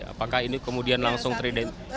apakah ini kemudian langsung teridentifikasi